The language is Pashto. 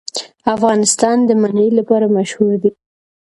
افغانستان د منی لپاره مشهور دی.